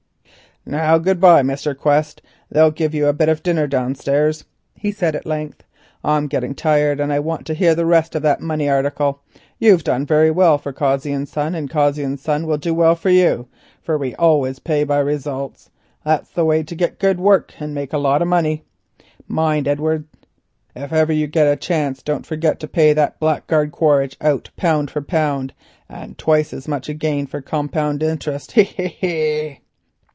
"Now good bye, Mr. Quest, they'll give you a bit of dinner downstairs," he said at length. "I'm getting tired, and I want to hear the rest of that money article. You've done very well for Cossey's and Cossey's will do well for you, for we always pay by results; that's the way to get good work and make a lot of money. Mind, Edward, if ever you get a chance don't forget to pay that blackguard Quaritch out pound for pound, and twice as much again for compound interest—hee! hee! hee!"